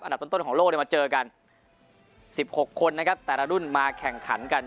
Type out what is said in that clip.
อันดับต้นต้นของโลกเลยมาเจอกันสิบหกคนนะครับแต่ละรุ่นมาแข่งขันกัน